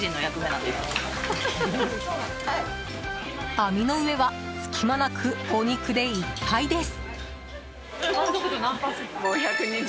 網の上は隙間なくお肉でいっぱいです。